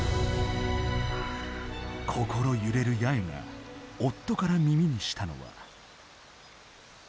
心揺れる八重が夫から耳にしたのは。